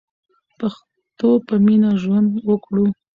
د پښتو په مینه ژوند وکړو.